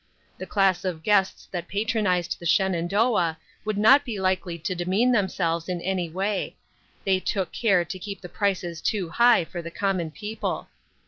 The class of guests that patronized the Shenandoah would not be likely to demean themselves in any way ; they took care to keep the prices too high I30 " W. C. T. U." for the common people.